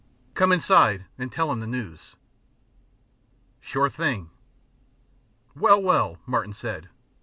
Come inside and tell him the news." "Sure thing." "Well, well!" Martin said.